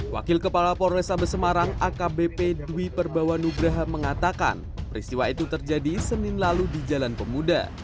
wakil kepala polres sabah semarang akbp dwi perbawanubraha mengatakan peristiwa itu terjadi senin lalu di jalan pemuda